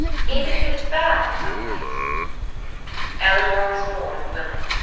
Even if it is bad in some ways?" Ellador was more than willing.